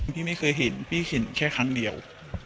พี่ไม่เคยเห็นพี่เห็นแค่ครั้งเดียว